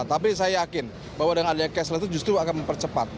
tapi saya yakin bahwa dengan adanya cashles itu justru akan mempercepat